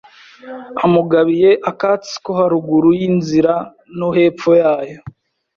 amugabiye akatsi ko haruguru y’inzira no hepfo yayo